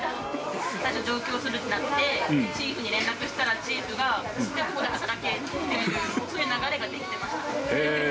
最初、上京するってなって、チーフに連絡したらチーフがじゃあここで働けって、そういう流れができてました。